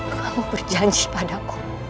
kamu berjanji padaku